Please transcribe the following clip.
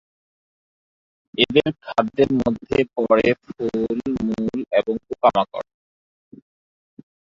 এদের খাদ্যের মধ্যে পরে ফল, মূল এবং পোকামাকড়।